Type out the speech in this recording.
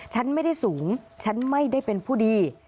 ฉันไม่ได้สูงฉันไม่ได้เป็นผู้ดี